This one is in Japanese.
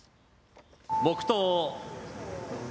黙とう。